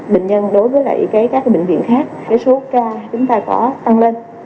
bệnh nhân đối với các bệnh viện khác số ca chúng ta có tăng lên